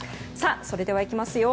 それではいきますよ。